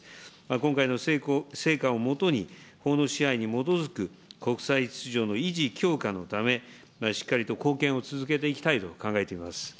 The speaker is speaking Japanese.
今回の成果をもとに、法の支配に基づく国際秩序の維持、強化のため、しっかりと貢献を続けていきたいと考えています。